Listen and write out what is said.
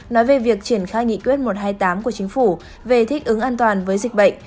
nói về việc triển khai nghị quyết một trăm hai mươi tám của chính phủ về thích ứng an toàn với dịch bệnh